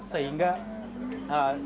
sehingga tidak cukup terdengar